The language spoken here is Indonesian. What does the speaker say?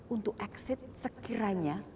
untuk exit sekiranya